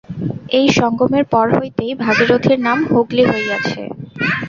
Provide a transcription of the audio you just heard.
এই সঙ্গমের পর হইতেই ভাগীরথীর নাম হুগলি হইয়াছে।